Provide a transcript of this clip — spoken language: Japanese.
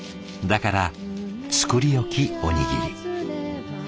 だから作り置きおにぎり。